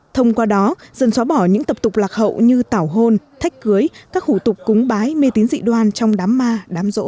thông qua đó dần xóa bỏ những tập tục lạc hậu như tảo hôn thách cưới các khủ tục cúng bái mê tín dị đoan trong đám ma đám rỗ